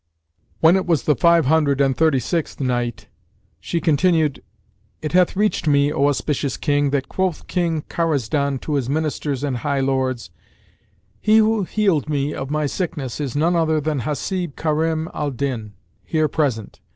When it was the Five Hundred and Thirty sixth Night, She continued, It hath reached me, O auspicious King, that quoth King Karazdan to his Ministers and high lords, "He who healed me of my sickness is none other than Hasib Karim al Din here present.